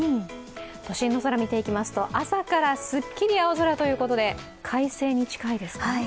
都心の空を見ていきますと、朝からすっきり青空ということで快晴に近いですね。